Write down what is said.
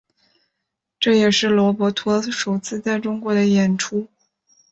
这也是罗伯托首次在中国的演出。